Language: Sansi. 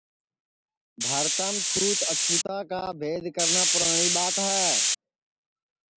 بھارتام چھوت اچھوتا کا بھید کرنا پُراٹؔی ٻات ہے